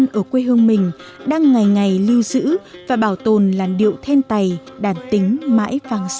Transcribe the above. anh và bà con ở quê hương mình đang ngày ngày lưu giữ và bảo tồn làn điệu then tày đàn tính mãi vang xa